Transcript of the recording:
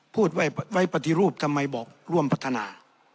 พูดไว้ปฏิรูปทำไมบอกร่วมพัฒนา